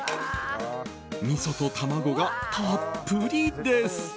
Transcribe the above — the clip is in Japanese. みそと卵がたっぷりです。